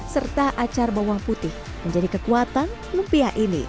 serta acar bawang putih menjadi kekuatan lumpia ini